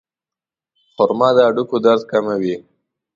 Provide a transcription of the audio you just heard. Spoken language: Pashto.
خرما د هډوکو درد کموي.